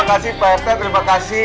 terima kasih pak rt terima kasih